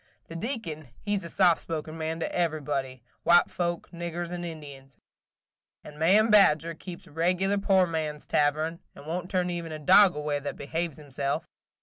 The Deacon he 's a soft spoken man to everybody, – white folks, niggers, and Indians, – and Ma'am Badger keeps regular poor man's tavern, and won't turn even a dog away that behaves himself.